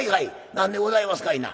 何でございますかいな」。